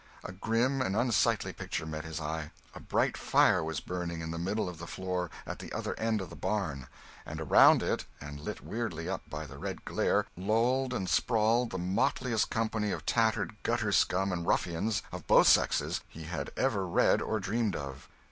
A grim and unsightly picture met his eye. A bright fire was burning in the middle of the floor, at the other end of the barn; and around it, and lit weirdly up by the red glare, lolled and sprawled the motliest company of tattered gutter scum and ruffians, of both sexes, he had ever read or dreamed of.